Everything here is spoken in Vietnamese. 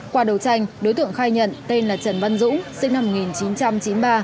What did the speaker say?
qua đầu tranh đối tượng khai nhận tên là trần văn dũng sinh năm một nghìn chín trăm chín mươi ba